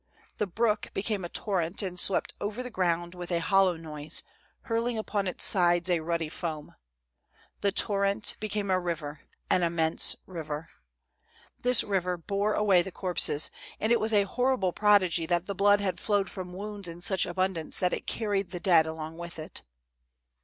The brook became a torrent and swept over the ground with a hollow noise, hurling upon its sides a ruddy foam. The torrent became a river, an immense river. This river bore away the corpses ; and it was a horri ble prodigy that the blood had flowed from wounds in such abundance that it carried the dead along with it.